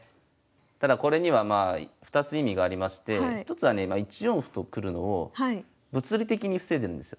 ただこれにはまあ２つ意味がありまして１つはね１四歩と来るのを物理的に防いでるんですよ。